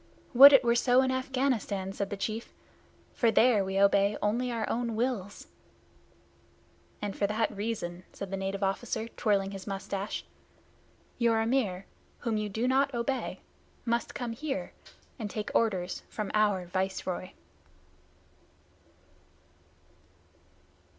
"Would it were so in Afghanistan!" said the chief, "for there we obey only our own wills." "And for that reason," said the native officer, twirling his mustache, "your Amir whom you do not obey must come here and take orders from our Viceroy."